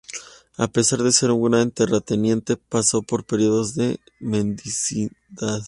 A pesar de ser un gran terrateniente, pasó por períodos de mendicidad.